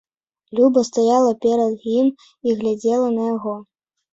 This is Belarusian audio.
Люба стаяла перад ім і глядзела на яго.